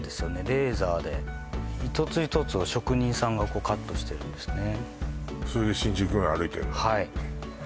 レーザーで一つ一つを職人さんがカットしてるんですね